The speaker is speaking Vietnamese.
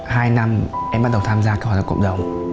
hai năm em bắt đầu tham gia cái hội học cộng đồng